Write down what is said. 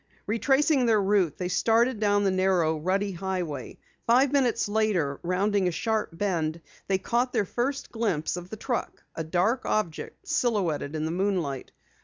Retracing their route, they started down the narrow rutty highway. Five minutes later, rounding a sharp bend, they caught their first glimpse of the truck, a dark object silhouetted in the moonlight.